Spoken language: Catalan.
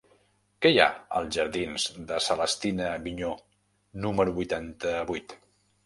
Què hi ha als jardins de Celestina Vigneaux número vuitanta-vuit?